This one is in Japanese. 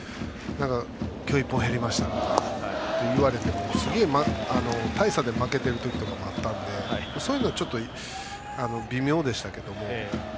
今日１本減りましたねとか言われてもすごい大差で負けてるときとかもあったので、そういうのは微妙でしたけど。